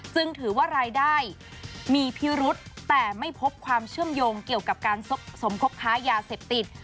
ถือว่ารายได้มีพิรุษแต่ไม่พบความเชื่อมโยงเกี่ยวกับการสมคบค้ายาเสพติด